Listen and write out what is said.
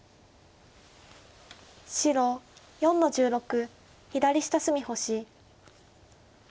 白４の十六左下隅星。